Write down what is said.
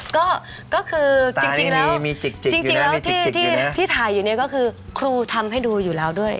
ก็คือจริงแล้วจริงแล้วที่ถ่ายอยู่เนี่ยก็คือครูทำให้ดูอยู่แล้วด้วย